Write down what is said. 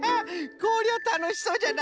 こりゃたのしそうじゃな！